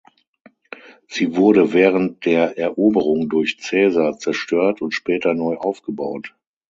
Sie wurde während der Eroberung durch Caesar zerstört und später neu aufgebaut.